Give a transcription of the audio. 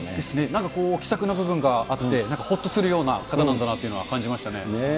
なんか気さくな部分があって、なんかほっとするような方なんだなというのは感じまし